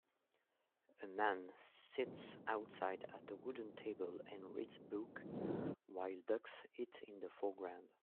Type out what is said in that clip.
A man sits outside at a wooden table and reads a book while ducks eat in the foreground